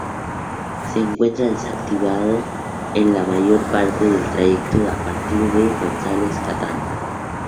Se encuentra desactivado en la mayor parte del trayecto a partir de González Catán.